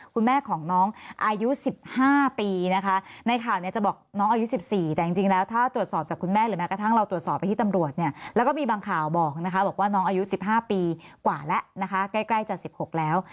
คุณแม่ของน้องอายุ๑๕ปีนะคะในข่าวเนี่ยจะบอกน้องอายุ๑๔แต่จริงแล้วถ้าตรวจสอบจากคุณแม่หรือแม้กระทั่งเราตรวจสอบไปที่ตำรวจเนี่ยแล้วก็มีบางข่าวบอกนะคะบอกว่าน้องอายุ๑๕ปีกว่าแล้วนะคะใกล้จะ๑๖แล้ว